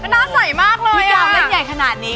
น่าใสมากเลยคือยาวเล่นใหญ่ขนาดนี้